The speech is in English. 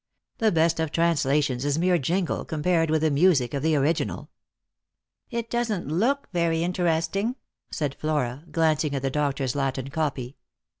The best of translations is mere jingle compared with the music of the original." " It doesn't look very interesting," said Flora, glancing at the doctor's Latin copy.